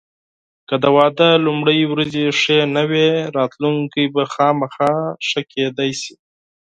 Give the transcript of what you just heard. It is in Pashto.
که د واده لومړني ورځې ښې نه وې، راتلونکی حتماً ښه کېدای شي.